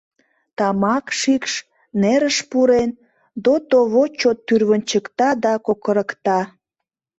Тамак шикш, нерыш пурен, дотово чот тӱрвынчыкта да кокырыкта.